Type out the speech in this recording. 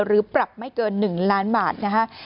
หรือปรับไม่เกิน๑ล้านบาทนะฮะ